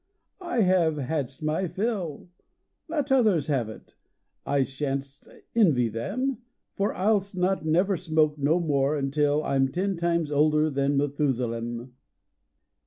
I have hadst my fill: Let others have it; I sha n tst envy them, For I list not never smoke no more until I m ten times older than Mathusalem!